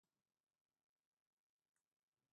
وینه یو ارتباطي نسج دی.